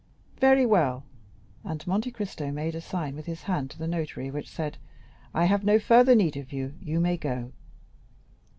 "Very well;" and Monte Cristo made a sign with his hand to the notary, which said, "I have no further need of you; you may go."